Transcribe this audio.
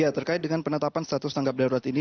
ya terkait dengan penetapan status tanggap darurat ini